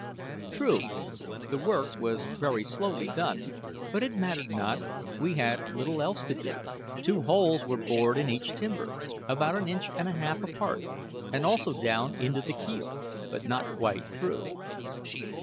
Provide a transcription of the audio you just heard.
True, the work was very slowly done; but it mattered not we had little else to do. Two holes were bored in each timber, about an inch and a half apart, and also down into the keel, but not quite through.